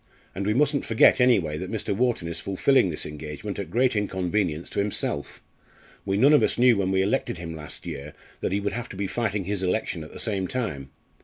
And we mustn't forget anyway that Mr. Wharton is fulfilling this engagement at great inconvenience to himself. We none of us knew when we elected him last year that he would have to be fighting his election at the same time.